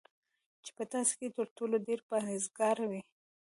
چی په تاسی کی تر ټولو ډیر پرهیزګاره وی